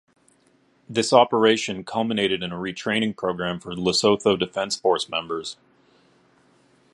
This operation culminated in a re-training programme for Lesotho Defence Force members.